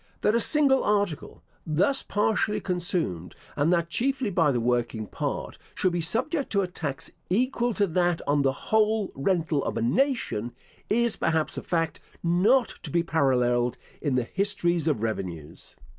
That a single article, thus partially consumed, and that chiefly by the working part, should be subject to a tax, equal to that on the whole rental of a nation, is, perhaps, a fact not to be paralleled in the histories of revenues.